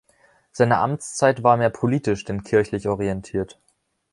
Seine Amtszeit war mehr politisch denn kirchlich orientiert.